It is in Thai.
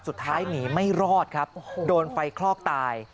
สุดท้ายหนีไม่รอดครับโดนไฟคลอกตาย